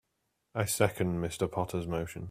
I second Mr. Potter's motion.